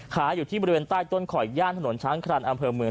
อยู่ที่บริเวณใต้ต้นข่อยย่านถนนช้างครันอำเภอเมือง